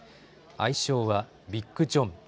愛称はビッグ・ジョン。